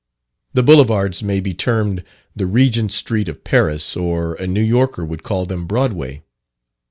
The Boulevards may be termed the Regent Street of Paris, or a New Yorker would call them Broadway.